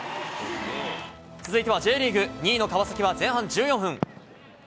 続いてはＪリーグ、２位の川崎は前半１４分。